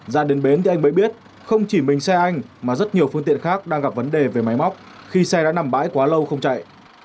ra đến bến thì anh mới biết không chỉ mình xe anh mà rất nhiều phương tiện khác đang gặp vấn đề về máy móc khi xe đã nằm bãi quá lâu không chạy